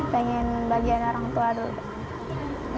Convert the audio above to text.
pengen bagian orang tua dulu